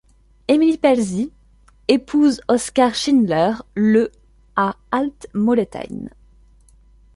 Émilie Pelzi épousa Oskar Schindler le à Alt Moletein.